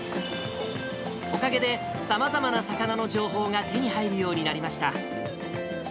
おかげでさまざまな魚の情報が手に入るようになりました。